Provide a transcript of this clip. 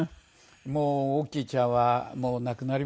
オッキーちゃんはもう亡くなりました。